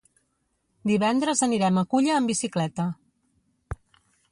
Divendres anirem a Culla amb bicicleta.